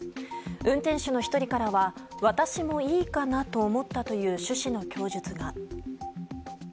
運転手の１人からは私もいいかなと思ったという趣旨の供述が。